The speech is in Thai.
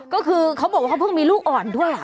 ก็คือเขาบอกว่าเขาเพิ่งมีลูกอ่อนด้วย